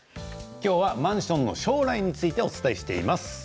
今日はマンションの将来についてお伝えしています。